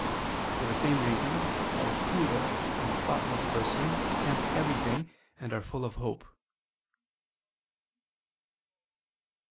For the same reason all foolish and thoughtless persons attempt everything and are full of hope.